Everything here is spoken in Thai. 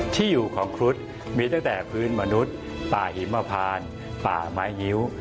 ที่อยู่ของครุฑมีตั้งแต่พื้นมนุษย์ป่าหิมพานป่าไม้งิ้ว